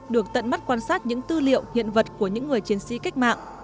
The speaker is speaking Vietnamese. được tận mắt quan sát những tư liệu hiện vật của những người chiến sĩ cách mạng